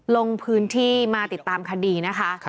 ลงพื้นที่มาติดตามคดีนะคะ